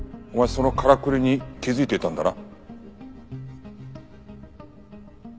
そのからくりに気づいていたんだな？